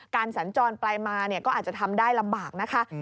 สัญจรไปมาก็อาจจะทำได้ลำบากนะคะ